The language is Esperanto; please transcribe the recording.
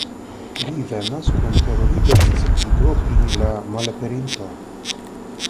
Li venas kun teruriga sciigo pri la malaperinto.